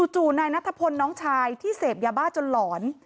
จู่นายนัทพลน้องชายที่เสพยาบ้าจนหลอน